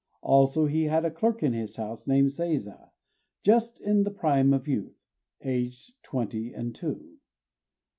Also he had a clerk in his house, by name Seiza, just in the prime of youth, aged twenty and two.